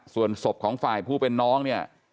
ส่วนศพของฝ่ายผู้เป็นน้องเนี่ย